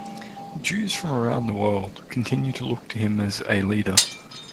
Jews from around the world continue to look to him as a leader.